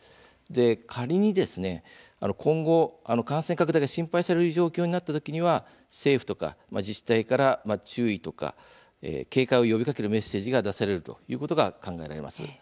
仮に今後、感染拡大が心配される状況になった時は政府とか自治体から注意とか警戒を呼びかけるメッセージが出されるということが考えられます。